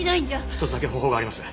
１つだけ方法があります。